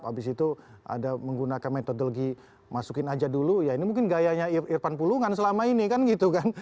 habis itu ada menggunakan metodologi masukin aja dulu ya ini mungkin gayanya irfan pulungan selama ini kan gitu kan